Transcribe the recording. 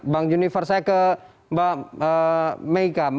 bang junifer saya ke mbak meika